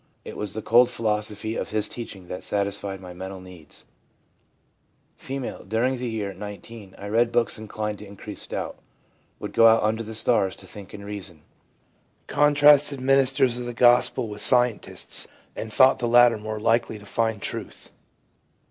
It was the cold philosophy of his teaching that satisfied my mental needs/ F. 'During the year (19) I read books inclined to increase doubt. Would go out under the stars to think and reason. Contrasted ministers of the Gospel with scientists, and thought the latter more likely to find truth.